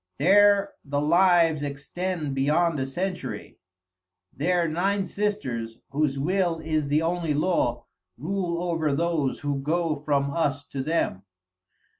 There the lives extend beyond a century. There nine sisters, whose will is the only law, rule over those who go from us to them.